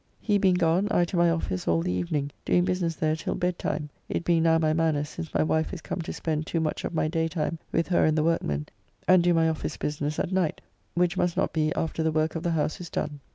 He being gone I to my office all the evening, doing business there till bedtime, it being now my manner since my wife is come to spend too much of my daytime with her and the workmen and do my office business at night, which must not be after the work of the house is done.